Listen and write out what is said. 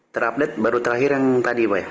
terupdate baru terakhir yang tadi pak ya